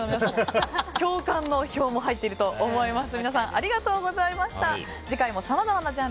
共感の票も入っていると思います。